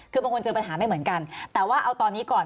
คือบางคนเจอปัญหาไม่เหมือนกันแต่ว่าเอาตอนนี้ก่อน